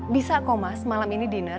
bisa kok mas malam ini dinner